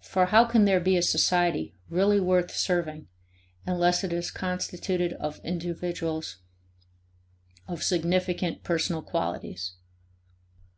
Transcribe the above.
For how can there be a society really worth serving unless it is constituted of individuals of significant personal qualities?